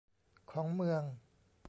ของเมือง